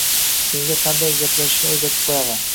Senga qanday gaplashishni oʻrgatib qoʻyaman.